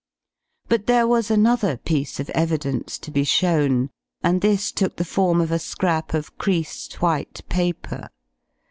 But there was another piece of evidence to be shown, and this took the form of a scrap of creased white paper.